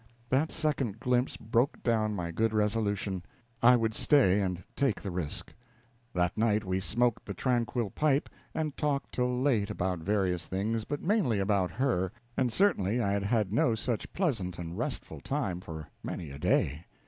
That second glimpse broke down my good resolution. I would stay and take the risk. That night we smoked the tranquil pipe, and talked till late about various things, but mainly about her; and certainly I had had no such pleasant and restful time for many a day.